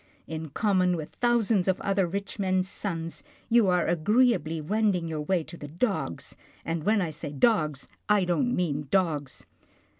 In common with thousands of other rich men's sons, you are agreeably wending your way to the dogs, and when I say dogs, I don't mean dogs."